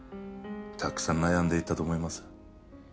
たくさん悩んでいたと思います。